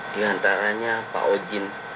di antaranya pak ojin